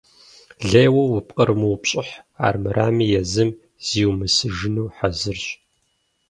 Лейуэ упкърымыупщӏыхь, армырами езым зиумысыжыну хьэзырщ.